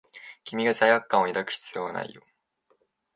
君が罪悪感を抱く必要はないよ。